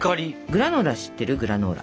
グラノーラ知ってるグラノーラ？